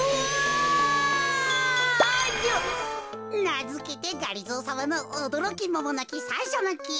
なづけてがりぞーさまのおどろきもものきさんしょのき。